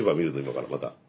今からまた。